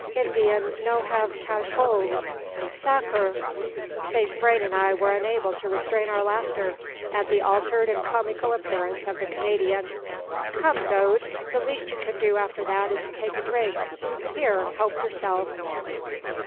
Indien no have cash hold. Sacr r r!" Saint Vrain and I were unable to restrain our laughter at the altered and comical appearance of the Canadian. "Come, Gode! the least you can do after that is to take a drink. Here, help yourself!"